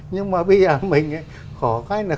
nhưng mà bây giờ mình khỏi cái là